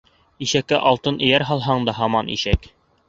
Ишәккә алтын эйәр һалһаң да һаман ишәк.